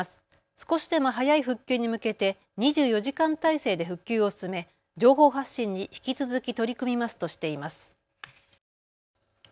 少しでも早い復旧に向けて２４時間態勢で復旧を進め情報発信に引き続き取り組みますとしています。